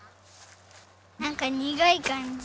なんか苦い感じ。